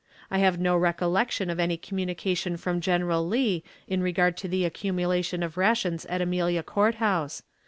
I have no recollection of any communication from General Lee in regard lo the accumulation of rations at Amelia Court House.